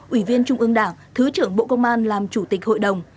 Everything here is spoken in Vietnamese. ủy viên trung ương đảng thứ trưởng bộ công an làm chủ tịch hội đồng